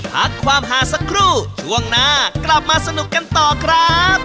พ่อผมว่าจะหมวดเลยปล่อยเข้าป่าไปเถอะ